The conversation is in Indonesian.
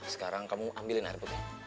sekarang kamu ambilin air putih